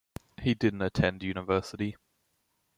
He didn't attend university.